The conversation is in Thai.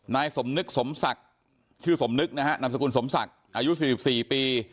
นายสมนึกสมศักดิ์ชื่อสมนึกนะฮะนามสกุลสมศักดิ์อายุ๔๔ปี